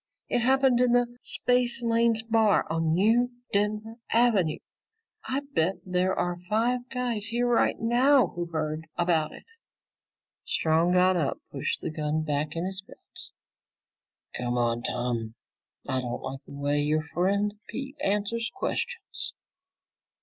It happened in the Spacelanes Bar on New Denver Avenue. I bet there are five guys here right now who heard about it!" Strong got up, pushing the gun back in his belt. "Come on, Tom. I don't like the way your friend Pete answers questions."